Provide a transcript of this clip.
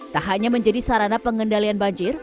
tak hanya menjadi sarana pengendalian banjir